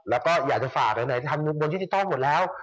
แล้วก็อยากจะฝากไหนทำบนดิจิทัลหมดแล้ว